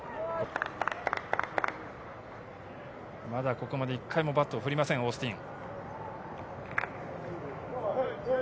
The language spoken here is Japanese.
まだ、ここまで１回もバットを振りません、オースティン。